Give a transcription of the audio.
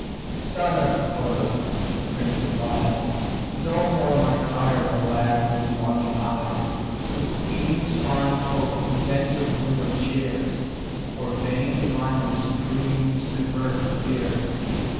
"Oh son of Polybus!" the prince replies, "No more my sire will glad these longing eyes; The queen's fond hope inventive rumour cheers, Or vain diviners' dreams divert her fears.